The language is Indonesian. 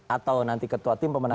atau nanti ketua tim pemenang